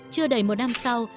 chưa đầy một năm sau